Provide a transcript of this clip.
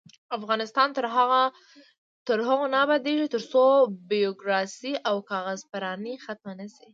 افغانستان تر هغو نه ابادیږي، ترڅو بیروکراسي او کاغذ پراني ختمه نشي.